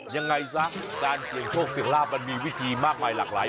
ยังไงซะการเสี่ยงโชคเสี่ยงลาบมันมีวิธีมากมายหลากหลาย